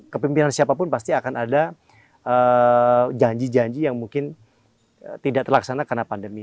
kepimpinan siapapun pasti akan ada janji janji yang mungkin tidak terlaksana karena pandemi